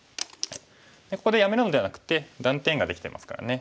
ここでやめるのではなくて断点ができてますからね